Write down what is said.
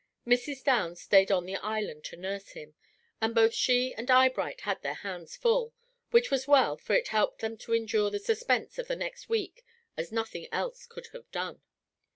Mrs. Downs stayed on the island to nurse him, and both she and Eyebright had their hands full, which was well, for it helped them to endure the suspense of the next week as nothing else could have done.